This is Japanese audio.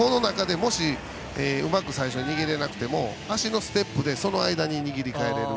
もしうまく最初、握れなくても足のステップでその間に握りを変えられる。